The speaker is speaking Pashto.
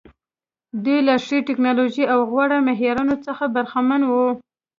دوی له ښې ټکنالوژۍ او غوره معیارونو څخه برخمن وو.